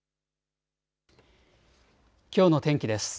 きょうの天気です。